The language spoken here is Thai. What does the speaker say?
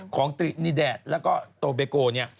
ของตรีนีแดดแล้วก็โตเบโกเนี่ย